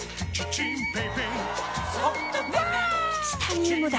チタニウムだ！